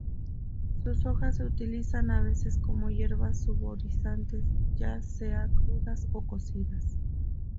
Sus hojas se utilizan a veces como hierbas saborizantes, ya sea crudas o cocidas.